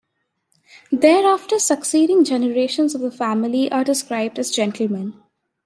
Thereafter succeeding generations of the family are described as gentlemen.